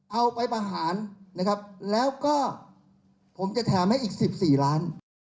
เอาไปประหารนะครับแล้วก็ผมจะแถมให้อีก๑๔ล้าน